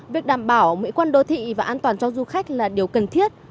việc đảm bảo mỹ quan đô thị và an toàn cho du khách là điều cần thiết